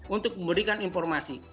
untuk memberikan informasi